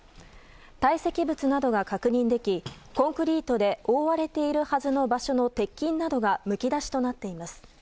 堆積物などが確認できコンクリートで覆われているはずの場所の鉄筋などがむき出しとなっています。